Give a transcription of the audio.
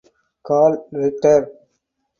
Carl Ritter.